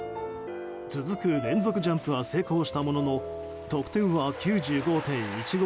続く連続ジャンプは成功したものの得点は９５．１５。